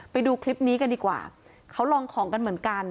ไปดูคลิปนี้กันดีกว่าเขาลองของกันเหมือนกัน